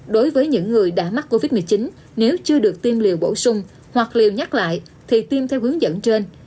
đối với những người đã mắc covid một mươi chín nếu chưa được tiêm liều bổ sung hoặc liều nhắc lại thì tiêm theo hướng dẫn trên